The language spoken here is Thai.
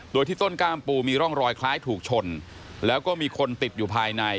โดยที่ต้นกล้ามปูมีร่องรอยคล้ายถูกชนแล้วก็มีคนติดอยู่ภายใน